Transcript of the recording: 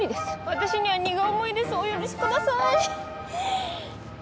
私には荷が重いですお許しください。